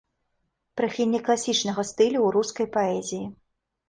Прыхільнік класічнага стылю ў рускай паэзіі.